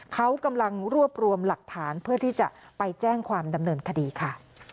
เขากำลังรวบรวมหลักฐานเพื่อที่จะไปแจ้งความดำเนินคดีค่ะ